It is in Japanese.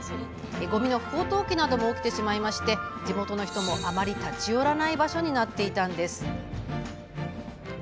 ごみの不法投棄なども起きてしまい、地元の人もあまり立ち寄らない場所になっていたんです。